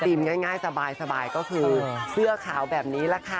ง่ายสบายก็คือเสื้อขาวแบบนี้แหละค่ะ